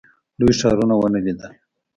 لوی ښارونه ونه لیدل.